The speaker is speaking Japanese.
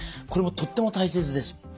これもとっても大切です。